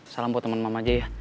salam buat temen mam aja ya